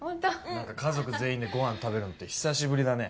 何か家族全員でご飯食べるのって久しぶりだね。